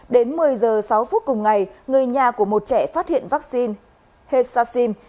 đến một mươi giờ sáu phút cùng ngày người nhà của một trẻ phát hiện vaccine hexacin